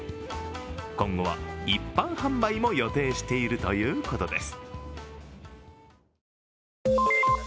今後は一般販売も予定しているということです。